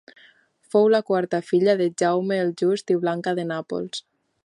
Fou la quarta filla de Jaume el Just i Blanca de Nàpols.